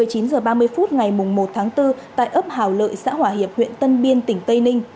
một mươi chín h ba mươi phút ngày một bốn tại ấp hảo lợi xã hỏa hiệp huyện tân biên tỉnh tây ninh